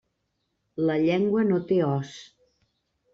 La llengua no té os.